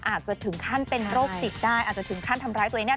อาจจะถึงขั้นเป็นโรคติดได้หรือทำร้ายตัวเอง